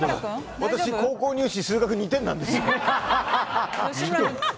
私、高校入試、数学２点です。